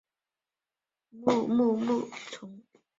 泡轮虫属则属于核形虫目。